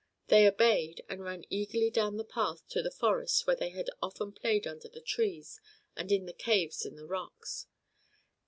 They obeyed, and ran eagerly down the path to the forest where they had often played under the trees and in the caves in the rocks.